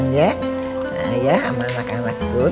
nah ya sama anak anak itu